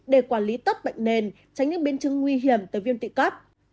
để quản lý tốt bệnh nền tránh những biên chứng nguy hiểm từ viên tụy cấp